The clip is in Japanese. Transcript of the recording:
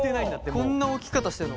こんな置き方してるの？